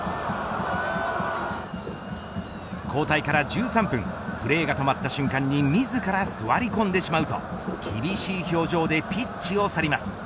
交代から１３分プレーが止まった瞬間に自ら座り込んでしまうと厳しい表情でピッチを去ります。